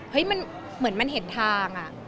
เห้ยมันเหมือนมันเห็นทาง